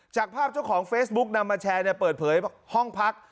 จากภาพเจ้าของเฟซบุ๊กนำมาแชร์เปิดเผยห้องพัก